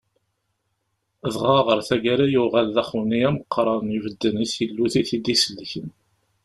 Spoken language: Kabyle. Dɣa ɣer tagara yuɣal d axewni ameqqran ibedden i tillut i t-id-isellken.